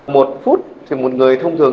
một phút thì một người lớn thông thường